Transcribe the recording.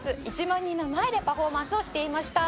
１万人の前でパフォーマンスをしていました」